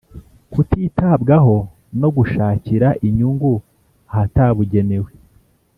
Kutitabwaho no gushakira inyungu ahatabugenewe